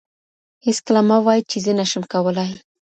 هیڅکله مه وایئ چي زه نشم کولای.